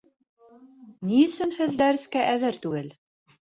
Ни өсөн һеҙ дәрескә әҙер түгел?